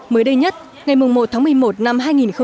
mới đây nhất ngày một tháng một mươi một năm hai nghìn một mươi chín